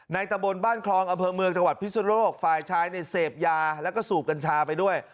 ตะบนบ้านคลองอำเภอเมืองจังหวัดพิสุโลกฝ่ายชายเนี่ยเสพยาแล้วก็สูบกัญชาไปด้วย